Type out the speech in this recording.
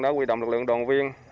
đã quy động lực lượng đoàn viên